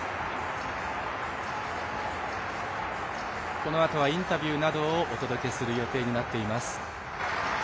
このあとはインタビューなどをお届けする予定になっています。